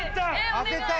当てたい！